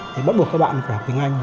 thì bắt buộc các bạn của đại học tiếng anh